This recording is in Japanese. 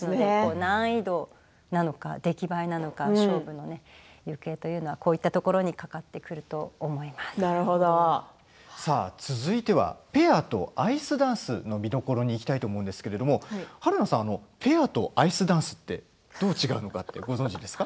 難易度なのか出来栄えなのかの勝負の行方というのはこういうところに続いてはペアとアイスダンスの見どころにいきたいと思うんですが春菜さん、ペアとアイスダンスどう違うのかご存じですか。